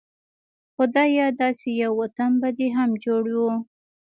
خدايه داسې يو وطن به دې هم جوړ و